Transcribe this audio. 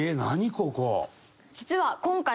ここ。